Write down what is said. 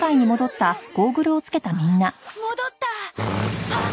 戻った！あっ。